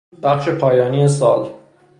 بخش پایانی سال